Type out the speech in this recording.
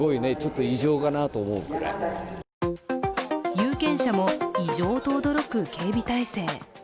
有権者も異常と驚く警備態勢。